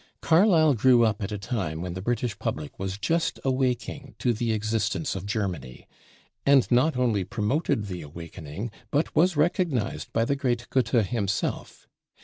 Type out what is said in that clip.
Carlyle grew up at a time when the British public was just awaking to the existence of Germany; and not only promoted the awakening but was recognized by the great Goethe himself.